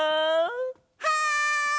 はい！